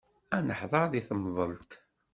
Ad neḥdeṛ deg temḍelt.